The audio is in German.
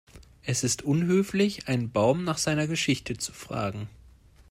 Es ist unhöflich, einen Baum nach seiner Geschichte zu fragen.